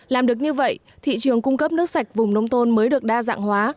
làm được như vậy thị trường cung cấp nước sạch vùng nông thôn mới được đa dạng hóa